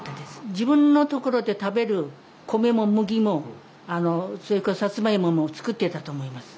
自分のところで食べる米も麦もそれからさつまいもも作ってたと思います。